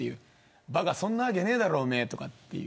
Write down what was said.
ばか、そんなわけねえだろおまえっていう。